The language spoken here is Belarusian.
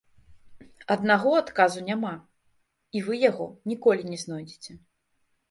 Аднаго адказу няма, і вы яго ніколі не знойдзеце.